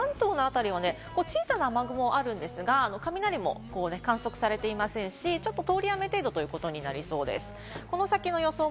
ただ関東の辺りは小さな雨雲はあるんですが、雷も観測されていませんし、通り雨程度ということになりそうです。